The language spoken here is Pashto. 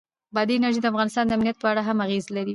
بادي انرژي د افغانستان د امنیت په اړه هم اغېز لري.